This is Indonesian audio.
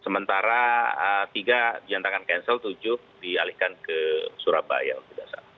sementara tiga diantarkan cancel tujuh dialihkan ke surabaya